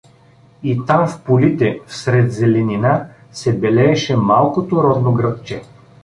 И там в полите всред зеленина се белееше малкото родно градче.